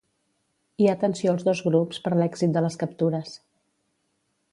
Hi ha tensió als dos grups per l'èxit de les captures.